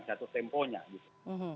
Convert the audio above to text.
jatuh temponya gitu